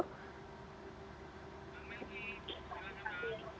bang melki silakan